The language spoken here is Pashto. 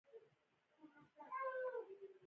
سره ښه ګډ کړئ تر څو یو په بل کې ښه حل شي.